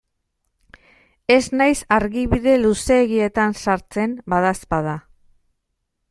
Ez naiz argibide luzeegietan sartzen, badaezpada.